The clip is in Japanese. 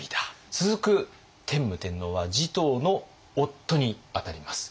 続く天武天皇は持統の夫に当たります。